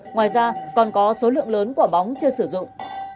ngoài ra còn có số lượng lớn quả bóng chưa sử dụng